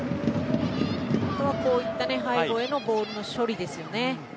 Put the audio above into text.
あとは、こういった背後へのボールの処理ですよね。